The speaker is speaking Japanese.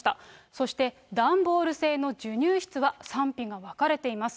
そして段ボール製の授乳室は賛否が分かれています。